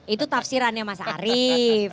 itu tafsirannya mas arief